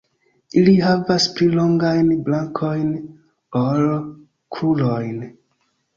Ili havas pli longajn brakojn ol krurojn.